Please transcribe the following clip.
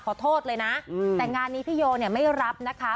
ขอโทษเลยนะแต่งานนี้พี่โยเนี่ยไม่รับนะคะ